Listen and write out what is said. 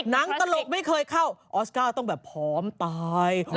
ตลกไม่เคยเข้าออสการ์ต้องแบบผอมตาย